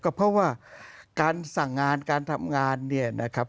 ก็เพราะว่าการสั่งงานการทำงานเนี่ยนะครับ